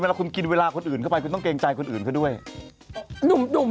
เวลาคุณกินเวลาคนอื่นเข้าไปคุณต้องเกรงใจคนอื่นเขาด้วยหนุ่ม